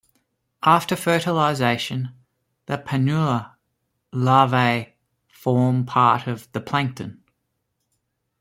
After fertilisation, the planula larvae form part of the plankton.